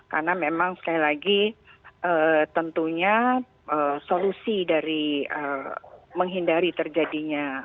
karena memang sekali lagi tentunya solusi dari menghindari terjadinya